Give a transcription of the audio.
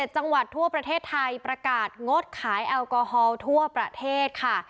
๗จังหวัดทั่วประเทศไทยประกาศงดขายแอลกอฮอล์ทั่วประเทศค่ะ